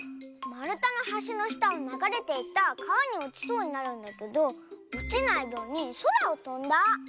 まるたのはしのしたをながれていたかわにおちそうになるんだけどおちないようにそらをとんだ？